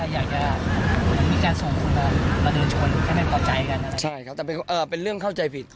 มาเดินชนให้มันเข้าใจกันใช่ไหมใช่ครับแต่เป็นเอ่อเป็นเรื่องเข้าใจผิด